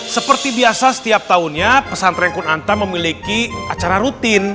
seperti biasa setiap tahunnya pesantren kunanta memiliki acara rutin